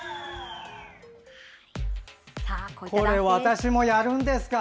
これ、私もやるんですか？